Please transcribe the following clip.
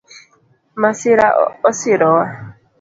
Masira osirowa